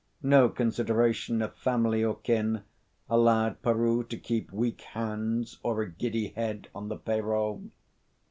No consideration of family or kin allowed Peroo to keep weak hands or a giddy head on the pay roll.